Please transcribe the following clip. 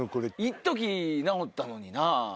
いっとき治ったのにな。